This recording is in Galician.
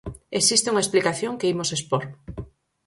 Existe unha explicación que imos expor.